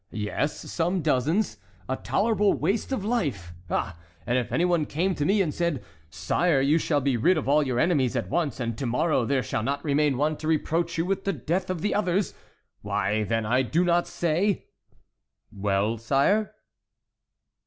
"Yes, some dozens. A tolerable waste of life! Ah! if any one came to me and said; 'Sire, you shall be rid of all your enemies at once, and to morrow there shall not remain one to reproach you with the death of the others,' why, then, I do not say"— "Well, sire?"